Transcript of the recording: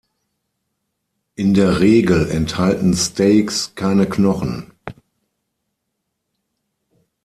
In der Regel enthalten Steaks keine Knochen.